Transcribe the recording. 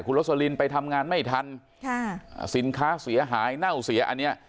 โรสลินไปทำงานไม่ทันค่ะอ่าสินค้าเสียหายเน่าเสียอันเนี้ย